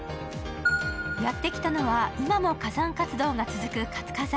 やってきたのは今も火山活動が続く活火山。